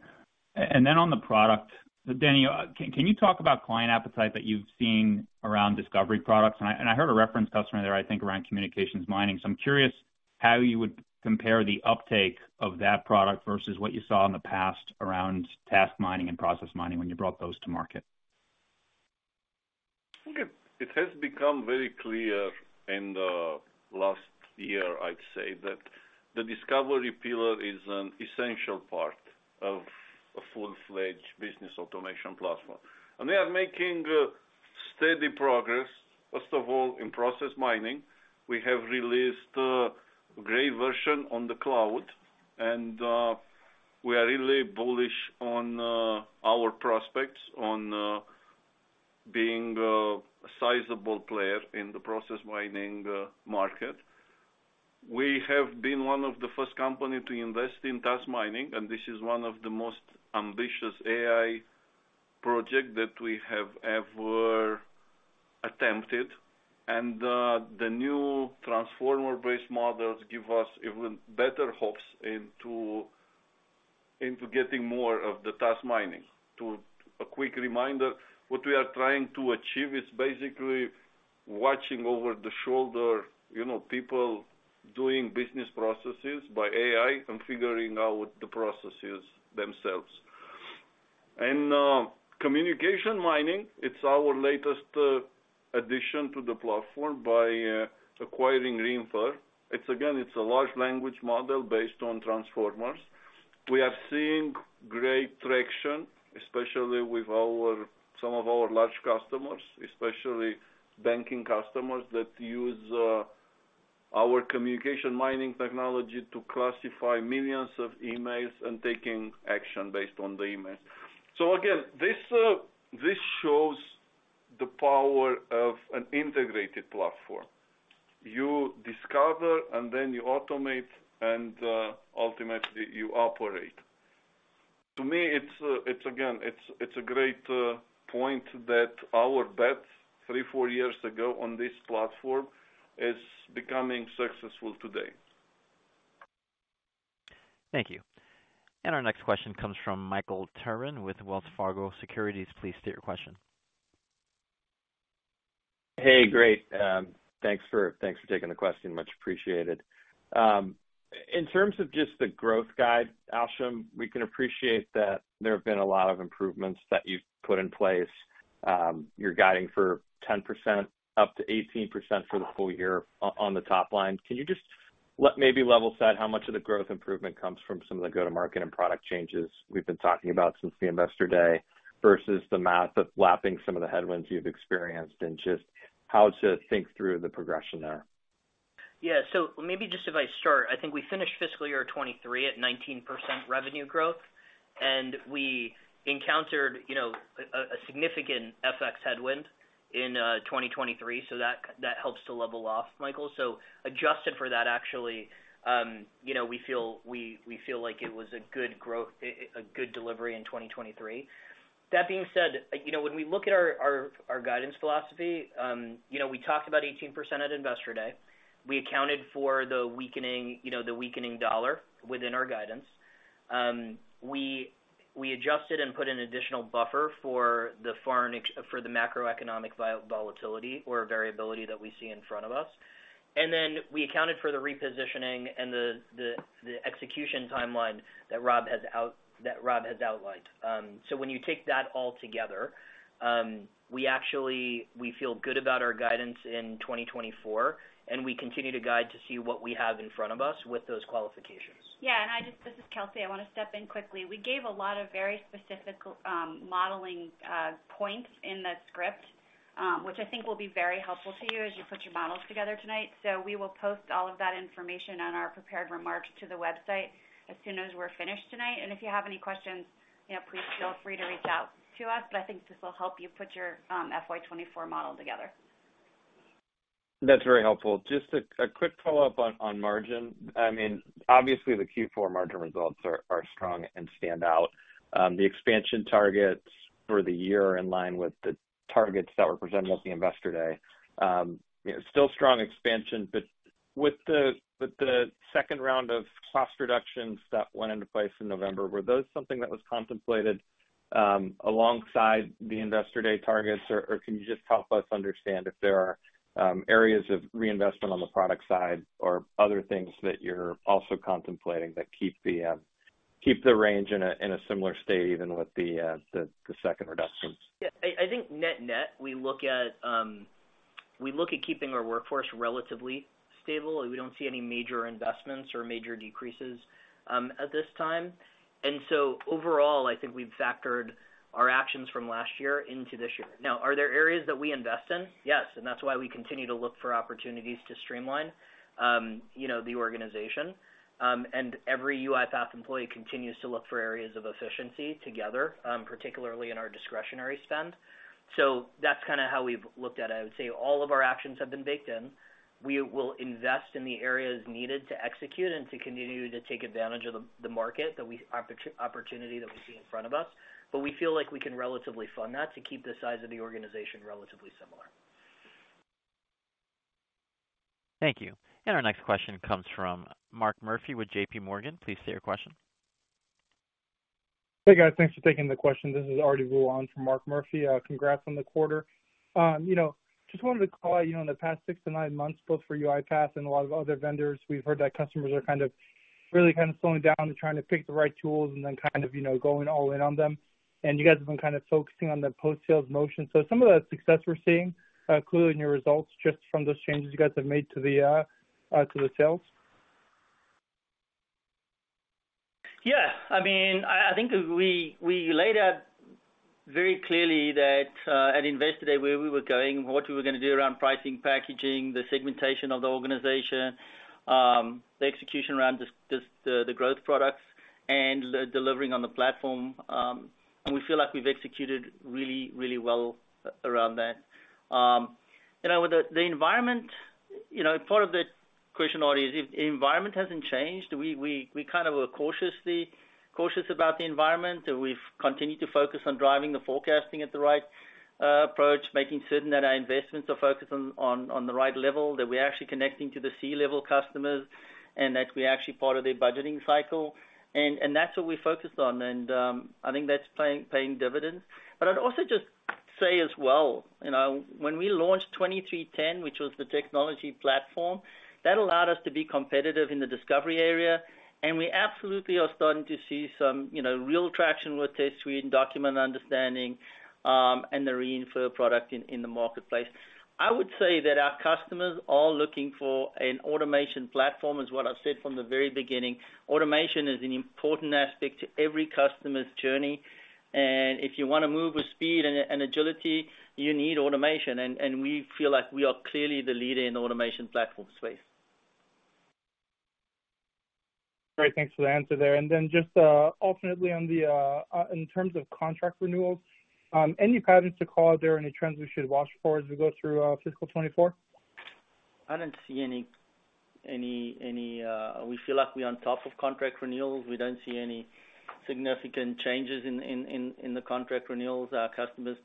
On the product, Daniel, can you talk about client appetite that you've seen around discovery products? And I heard a reference customer there, I think, around Communications Mining. I'm curious how you would compare the uptake of that product versus what you saw in the past around Task Mining and Process Mining when you brought those to market. Okay. It has become very clear in the last year, I'd say, that the discovery pillar is an essential part of a full-fledged business automation platform. We are making steady progress, first of all, in process mining. We have released a great version on the cloud, we are really bullish on our prospects on being a sizable player in the process mining market. We have been one of the first company to invest in task mining, this is one of the most ambitious AI project that we have ever attempted. The new transformer-based models give us even better hopes into getting more of the task mining. To a quick reminder, what we are trying to achieve is basically watching over the shoulder, you know, people doing business processes by AI, configuring out the processes themselves. Communications Mining, it's our latest addition to the platform by acquiring Re:infer. It's again, it's a large language model based on transformers. We have seen great traction, especially with our, some of our large customers, especially banking customers that use our Communications Mining technology to classify millions of emails and taking action based on the emails. Again, this shows the power of an integrated platform. You discover and then you automate and ultimately you operate. To me, it's again, it's a great point that our bet three, four years ago on this platform is becoming successful today. Thank you. Our next question comes from Michael Turrin with Wells Fargo Securities. Please state your question. Hey, great. Thanks for taking the question. Much appreciated. In terms of just the growth guide, Ashim, we can appreciate that there have been a lot of improvements that you've put in place. You're guiding for 10% up to 18% for the full year on the top line. Can you just maybe level set how much of the growth improvement comes from some of the go-to-market and product changes we've been talking about since the Investor Day versus the math of lapping some of the headwinds you've experienced and just how to think through the progression there? Yeah. Maybe just if I start, I think we finished fiscal year 2023 at 19% revenue growth, and we encountered, you know, a significant FX headwind in 2023. That helps to level off, Michael. Adjusted for that, actually, you know, we feel like it was a good growth, a good delivery in 2023. That being said, you know, when we look at our guidance philosophy, you know, we talked about 18% at Investor Day. We accounted for the weakening, you know, the weakening dollar within our guidance. We adjusted and put an additional buffer for the foreign for the macroeconomic volatility or variability that we see in front of us. We accounted for the repositioning and the execution timeline that Rob has outlined. When you take that all together, we actually, we feel good about our guidance in 2024, and we continue to guide to see what we have in front of us with those qualifications. Yeah. This is Kelsey. I wanna step in quickly. We gave a lot of very specific modeling points in the script, which I think will be very helpful to you as you put your models together tonight. We will post all of that information on our prepared remarks to the website as soon as we're finished tonight. If you have any questions, you know, please feel free to reach out to us, but I think this will help you put your FY 2024 model together. That's very helpful. Just a quick follow-up on margin. I mean, obviously, the Q4 margin results are strong and stand out. The expansion targets for the year are in line with the targets that were presented at the Investor Day. You know, still strong expansion, but with the second round of cost reductions that went into place in November, were those something that was contemplated alongside the Investor Day targets? Or can you just help us understand if there are areas of reinvestment on the product side or other things that you're also contemplating that keep the range in a similar state even with the second reductions? Yeah. I think net-net, we look at keeping our workforce relatively stable, and we don't see any major investments or major decreases at this time. Overall, I think we've factored our actions from last year into this year. Are there areas that we invest in? Yes, that's why we continue to look for opportunities to streamline, you know, the organization. Every UiPath employee continues to look for areas of efficiency together, particularly in our discretionary spend. That's kinda how we've looked at it. I would say all of our actions have been baked in. We will invest in the areas needed to execute and to continue to take advantage of the market that we opportunity that we see in front of us. We feel like we can relatively fund that to keep the size of the organization relatively similar. Thank you. Our next question comes from Mark Murphy with JPMorgan. Please state your question. Hey, guys. Thanks for taking the question. This is Arihant Ruon for Mark Murphy. Congrats on the quarter. You know, just wanted to call out, you know, in the past six to nine months, both for UiPath and a lot of other vendors, we've heard that customers are really slowing down and trying to pick the right tools and then, you know, going all in on them. You guys have been focusing on the post-sales motion. Some of the success we're seeing, clearly in your results just from those changes you guys have made to the sales. Yeah. I mean, I think we laid out very clearly that at Investor Day, where we were going and what we were gonna do around pricing, packaging, the segmentation of the organization, the execution around just the growth products and the delivering on the platform. We feel like we've executed really well around that. You know, the environment, you know, part of the question, Arihant, is if the environment hasn't changed, we kind of were cautiously cautious about the environment, and we've continued to focus on driving the forecasting at the right approach, making certain that our investments are focused on the right level, that we're actually connecting to the C-level customers, and that we're actually part of their budgeting cycle. That's what we focus on. I think that's paying dividends. I'd also just say as well, you know, when we launched 2023.10, which was the technology platform, that allowed us to be competitive in the discovery area, and we absolutely are starting to see some, you know, real traction with Test Suite and Document Understanding, and the Re:infer product in the marketplace. I would say that our customers are looking for an automation platform, is what I've said from the very beginning. Automation is an important aspect to every customer's journey. If you wanna move with speed and agility, you need automation. We feel like we are clearly the leader in automation platform space. Great. Thanks for the answer there. Just, alternately on the in terms of contract renewals, any patterns to call out there, any trends we should watch for as we go through fiscal 2024? I don't see any. We feel like we're on top of contract renewals. We don't see any significant changes in the contract renewals.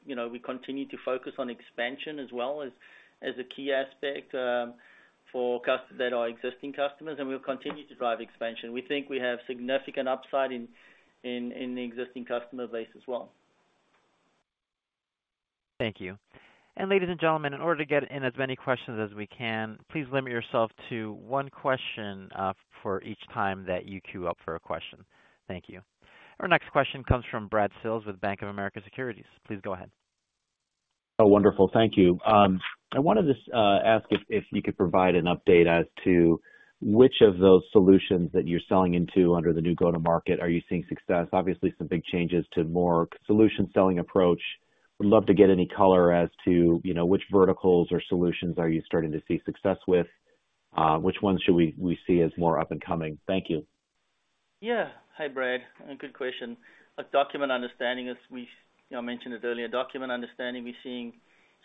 You know, we continue to focus on expansion as well as a key aspect, that are existing customers, and we'll continue to drive expansion. We think we have significant upside in the existing customer base as well. Thank you. Ladies and gentlemen, in order to get in as many questions as we can, please limit yourself to one question for each time that you queue up for a question. Thank you. Our next question comes from Brad Sills with Bank of America Securities. Please go ahead. Oh, wonderful. Thank you. I wanted to ask if you could provide an update as to which of those solutions that you're selling into under the new go-to-market are you seeing success? Obviously, some big changes to more solution selling approach. Would love to get any color as to, you know, which verticals or solutions are you starting to see success with? Which ones should we see as more up and coming? Thank you. Yeah. Hi, Brad, good question. Document Understanding, as we, you know, mentioned it earlier, Document Understanding, we're seeing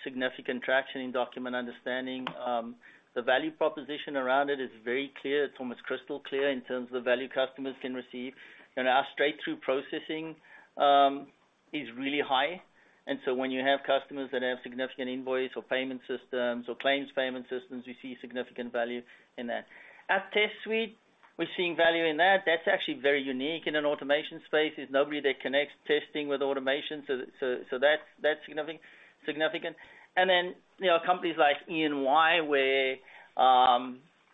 significant traction in Document Understanding. The value proposition around it is very clear. It's almost crystal clear in terms of the value customers can receive. Our straight-through processing is really high. When you have customers that have significant invoice or payment systems or claims payment systems, we see significant value in that. At Test Suite, we're seeing value in that. That's actually very unique in an automation space. There's nobody that connects testing with automation. That's significant. You know, companies like EY, where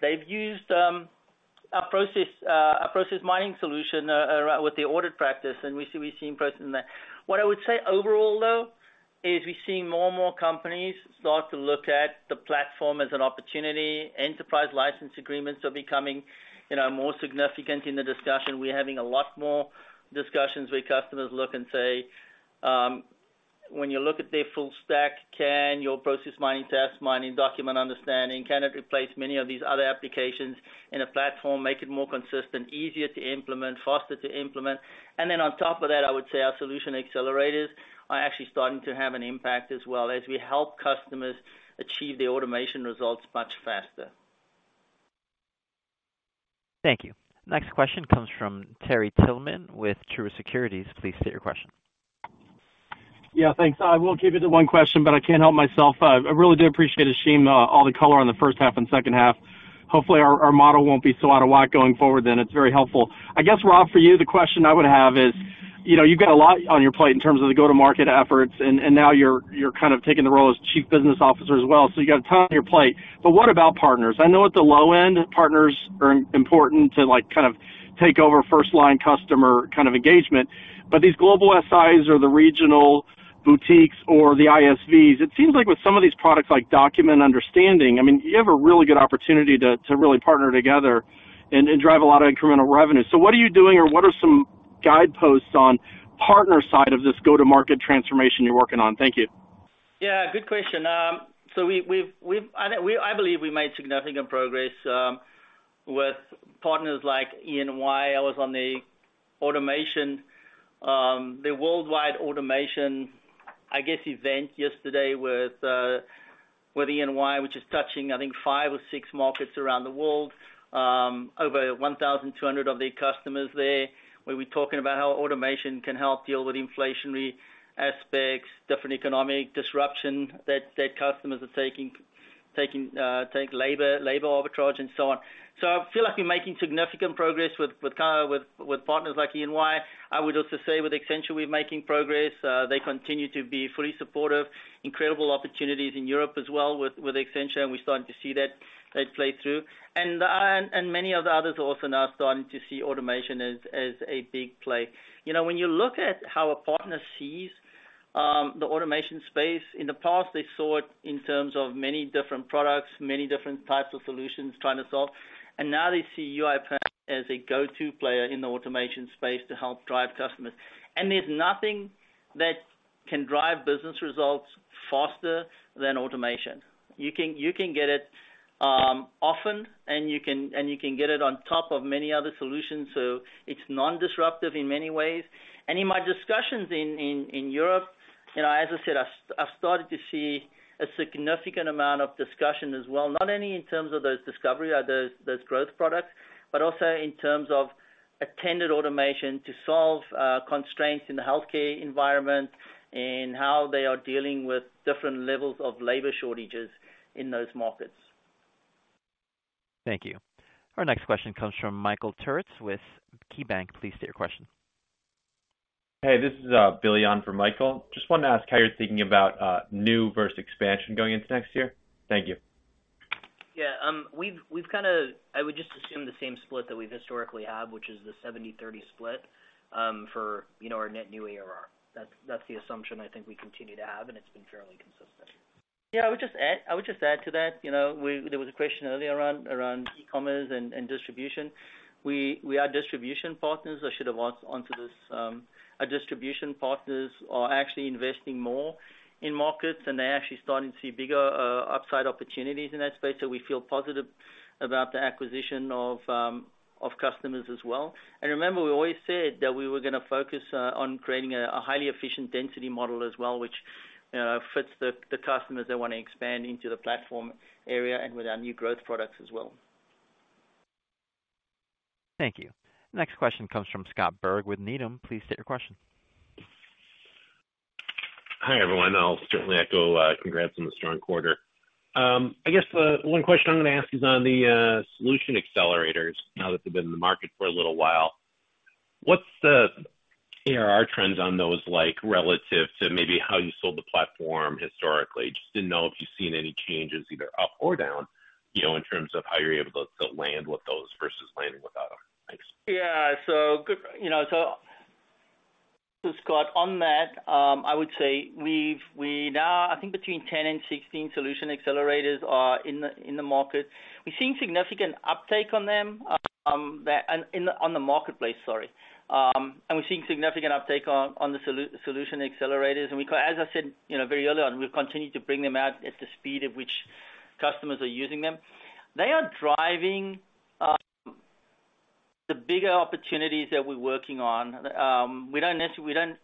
they've used a process mining solution with the audit practice, we're seeing progress in that. What I would say overall, though, is we're seeing more and more companies start to look at the platform as an opportunity. Enterprise license agreements are becoming, you know, more significant in the discussion. We're having a lot more discussions where customers look and say, when you look at their full stack, can your Process Mining, Task Mining, Document Understanding, can it replace many of these other applications in a platform, make it more consistent, easier to implement, faster to implement? On top of that, I would say our Solution Accelerators are actually starting to have an impact as well as we help customers achieve the automation results much faster. Thank you. Next question comes from Terry Tillman with Truist Securities. Please state your question. Yeah, thanks. I will keep it to one question, but I can't help myself. I really do appreciate, Ashim, all the color on the first half and second half. Hopefully, our model won't be so out of whack going forward then. It's very helpful. I guess, Rob, for you, the question I would have is, you know, you've got a lot on your plate in terms of the go-to-market efforts, and now you're kind of taking the role as chief business officer as well, so you got a ton on your plate. What about partners? I know at the low end, partners are important to, like, kind of take over first-line customer kind of engagement. These global SIs or the regional boutiques or the ISVs, it seems like with some of these products, like Document Understanding, I mean, you have a really good opportunity to really partner together and drive a lot of incremental revenue. What are you doing or what are some guideposts on partner side of this go-to-market transformation you're working on? Thank you. Yeah, good question. So we, I believe we made significant progress with partners like EY. I was on the automation, the worldwide automation, I guess, event yesterday with EY, which is touching, I think, five or six markets around the world. Over 1,200 of their customers there, where we're talking about how automation can help deal with inflationary aspects, different economic disruption that customers are taking labor arbitrage and so on. I feel like we're making significant progress with kinda with partners like EY. I would also say with Accenture, we're making progress. They continue to be fully supportive. Incredible opportunities in Europe as well with Accenture, and we're starting to see that play through. Many of the others also now starting to see automation as a big play. You know, when you look at how a partner sees the automation space, in the past, they saw it in terms of many different products, many different types of solutions trying to solve, and now they see UiPath as a go-to player in the automation space to help drive customers. There's nothing that can drive business results faster than automation. You can get it often, and you can get it on top of many other solutions, so it's non-disruptive in many ways. In my discussions in Europe, you know, as I said, I've started to see a significant amount of discussion as well, not only in terms of those discovery or those growth products, but also in terms of attended automation to solve constraints in the healthcare environment and how they are dealing with different levels of labor shortages in those markets. Thank you. Our next question comes from Michael Turits with KeyBanc. Please state your question. Hey, this is Billy on for Michael. Just wanted to ask how you're thinking about new versus expansion going into next year. Thank you. I would just assume the same split that we've historically had, which is the 70/30 split, for, you know, our net new ARR. That's the assumption I think we continue to have, and it's been fairly consistent. Yeah. I would just add to that, you know, there was a question earlier around e-commerce and distribution. We are distribution partners. I should have answered onto this. Our distribution partners are actually investing more in markets, and they're actually starting to see bigger upside opportunities in that space. We feel positive about the acquisition of customers as well. Remember, we always said that we were gonna focus on creating a highly efficient density model as well, which fits the customers that wanna expand into the platform area and with our new growth products as well. Thank you. Next question comes from Scott Berg with Needham. Please state your question. Hi, everyone. I'll certainly echo, congrats on the strong quarter. I guess the one question I'm gonna ask is on the Solution Accelerators. Now that they've been in the market for a little while, what's the ARR trends on those like relative to maybe how you sold the platform historically? Just didn't know if you've seen any changes either up or down, you know, in terms of how you're able to land with those versus landing without them. Thanks. Yeah. good. Scott, on that, I would say we now I think between 10 and 16 Solution Accelerators are in the market. We've seen significant uptake on them, in the marketplace, sorry. We're seeing significant uptake on the Solution Accelerators. As I said, you know, very early on, we've continued to bring them out at the speed at which customers are using them. They are driving the bigger opportunities that we're working on. We don't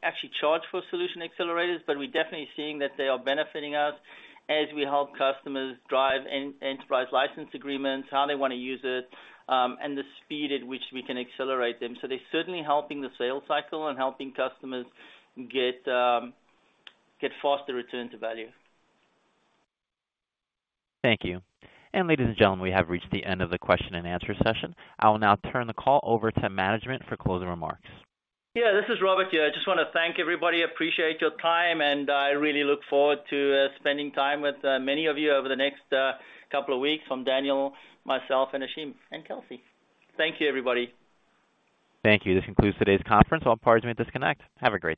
actually charge for Solution Accelerators, but we're definitely seeing that they are benefiting us as we help customers drive enterprise license agreements, how they wanna use it, and the speed at which we can accelerate them. They're certainly helping the sales cycle and helping customers get faster return to value. Thank you. Ladies and gentlemen, we have reached the end of the question and answer session. I will now turn the call over to management for closing remarks. Yeah. This is Robert here. I just wanna thank everybody. Appreciate your time, and I really look forward to spending time with many of you over the next couple of weeks from Daniel, myself and Ashim and Kelsey. Thank you, everybody. Thank you. This concludes today's conference. All parties may disconnect. Have a great day.